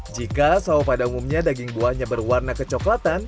jika sawo pada umumnya daging buahnya berwarna kecoklatan